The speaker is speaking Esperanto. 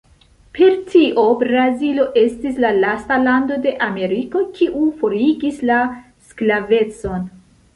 Per tio Brazilo estis la lasta lando de Ameriko, kiu forigis la sklavecon.